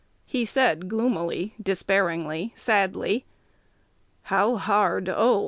He said gloomily, despairingly, sadly, 'How hard, oh!